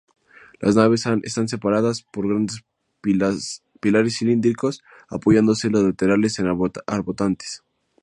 Las naves están separadas por grandes pilares cilíndricos, apoyándose las laterales en arbotantes.